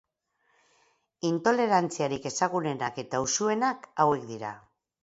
Intolerantziarik ezagunenak eta usuenak hauek dira.